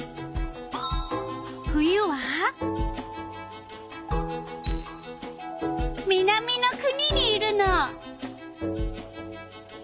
冬は南の国にいるの。